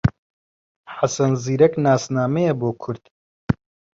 حەسەن زیرەک ناسنامەیە بۆ کورد